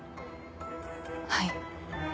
はい。